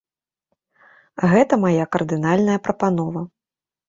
Гэта мая кардынальная прапанова.